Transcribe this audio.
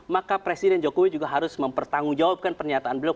maka presiden jokowi juga harus mempertanggungjawabkan pernyataan beliau